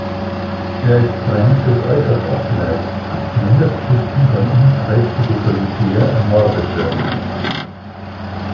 Er ist Francis äußerst abgeneigt, zumindest bis die von ihm trächtige Solitaire ermordet wird.